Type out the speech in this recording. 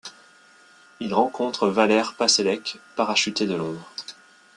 Il rencontre Valère Passelecq parachuté de Londres.